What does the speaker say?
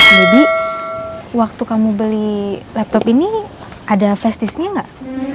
debbie waktu kamu beli laptop ini ada flash disk nya nggak